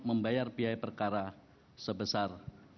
membayar biaya perkara sebesar